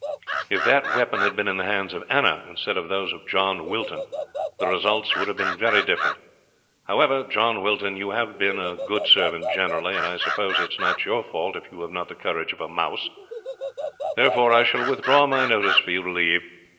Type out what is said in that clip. "If that weapon had been in the hands of Anna, instead of those of John Wilton, the results would have been very different. However, John Wilton, you have been a good servant generally, and I suppose it is not your fault if you have not the courage of a mouse, therefore I shall withdraw my notice for you to leave.